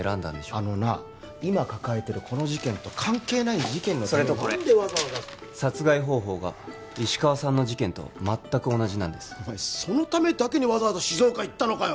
あのな今抱えてるこの事件と関係ない事件のために何でそれとこれ殺害方法が石川さんの事件と全く同じそのためだけにわざわざ静岡行ったのかよ？